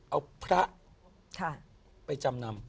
เอาพระไปจำนำ